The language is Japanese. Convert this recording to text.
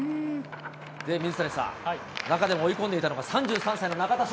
で、水谷さん、中でも追い込んでいたのが、３３歳の中田翔。